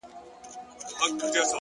صادق زړه د آرام خوب ملګری وي،